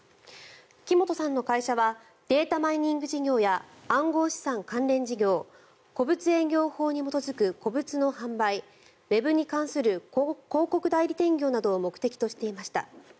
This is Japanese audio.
木本さんの会社はデータマイニング事業や暗号資産関連事業古物営業法に基づく古物の販売ウェブに関する広告代理店業などを目的としていました。